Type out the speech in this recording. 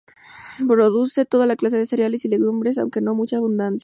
Produce toda clase de cereales y legumbres, aunque no con mucha abundancia.